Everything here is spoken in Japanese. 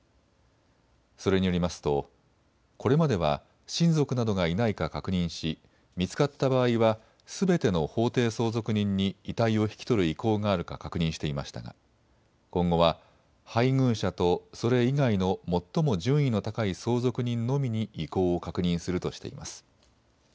それによりますとこれまでは親族などがいないか確認し見つかった場合はすべての法定相続人に遺体を引き取る意向があるか確認していましたが今後は配偶者とそれ以外の最も順位の高い相続人のみに意向を確認するとしています。